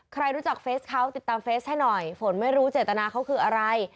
ใครรู้จักเฟสเขาติดตามเฟสให้หน่อยฝนไม่รู้เจตนาเขาคืออะไร